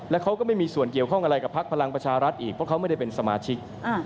และเขาก็ไม่มีส่วนเกี่ยวข้องอะไรกับพักพลังประชารัฐอีกเพราะเขาไม่ได้เป็นสมาชิก